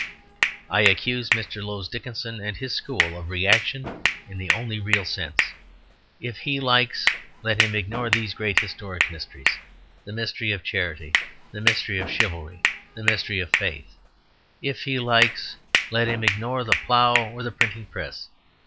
I accuse Mr. Lowes Dickinson and his school of reaction in the only real sense. If he likes, let him ignore these great historic mysteries the mystery of charity, the mystery of chivalry, the mystery of faith. If he likes, let him ignore the plough or the printing press.